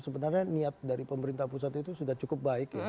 sebenarnya niat dari pemerintah pusat itu sudah cukup baik ya